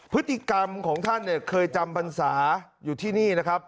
พฤติกรรมของท่านเนี่ยเคยจำพรรษาอยู่ที่นี่นะครับ